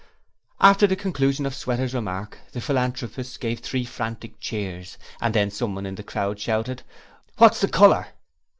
At the conclusion of Sweater's remarks the philanthropists gave three frantic cheers and then someone in the crowd shouted 'What's the colour?'